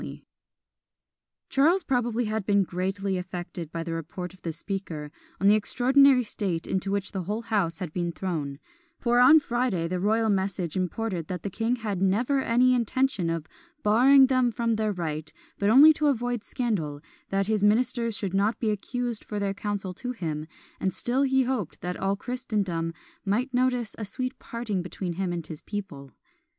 " Charles probably had been greatly affected by the report of the Speaker, on the extraordinary state into which the whole house had been thrown; for on Friday the royal message imported that the king had never any intention of "barring them from their right, but only to avoid scandal, that his ministers should not be accused for their counsel to him; and still he hoped that all Christendom might notice a sweet parting between him and his people."